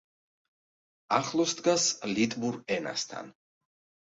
ახლოს დგას ლიტვურ ენასთან.